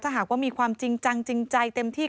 หากว่ามีความจริงจังจริงใจเต็มที่